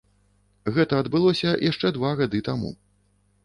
Гэта адбылося яшчэ два гады таму.